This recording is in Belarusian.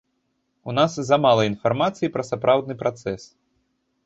У нас замала інфармацыі пра сапраўдны працэс.